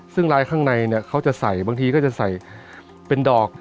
ซึ่งลายข้างในเนี่ยเขาจะใส่บางทีก็จะใส่เป็นดอก